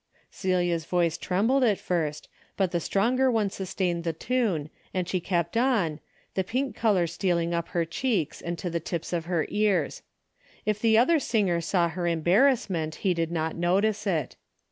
Celia's voice trembled at first, but the stronger one sustained the tune and she kept on, the pink color stealing up her cheeks and to the tips of her ears. If the other singer saw her embarrassment, he did not notice it.